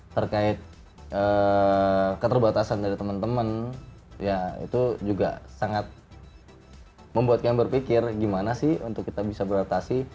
terkait keterbatasan dari teman teman ya itu juga sangat membuat kami berpikir gimana sih untuk kita bisa beradaptasi